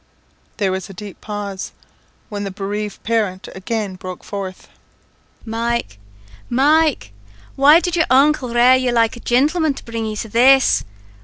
There was a deep pause, when the bereaved parent again broke forth "Mike, Mike why did your uncle rare you like a jintleman to bring you to this.